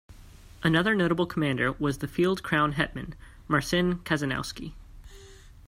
Another notable commander was the Field Crown Hetman, Marcin Kazanowski.